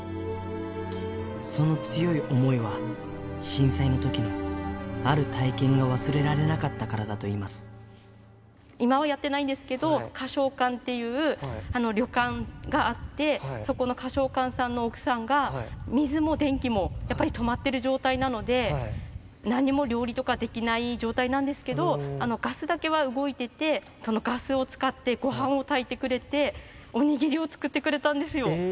その強い想いは震災のときのある体験が忘れられなかったからだと今はやってないんですけど、花勝館っていう旅館があって、そこの花勝館さんの奥さんが、水も電気もやっぱり止まっている状態なので、なんにも料理とかできない状態なんですけど、ガスだけは動いてて、そのガスを使ってごはんを炊いてくれて、おにぎりを作ってくれたんですよ。